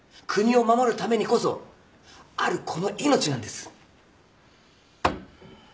国を守るためにこそあるこの命なんです。